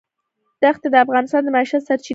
دښتې د افغانانو د معیشت سرچینه ده.